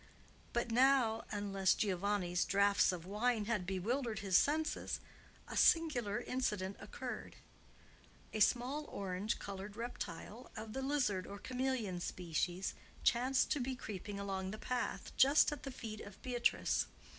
But now, unless Giovanni's draughts of wine had bewildered his senses, a singular incident occurred. A small orange colored reptile, of the lizard or chameleon species, chanced to be creeping along the path, just at the feet of Beatrice.